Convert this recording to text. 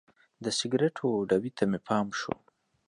د سګریټو ډبي ته مې پام شو.